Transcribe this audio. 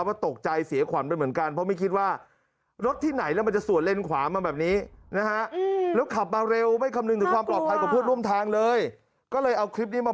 นี่ครับมาแล้วครับคุณผู้ชมครับ